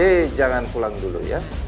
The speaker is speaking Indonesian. eh jangan pulang dulu ya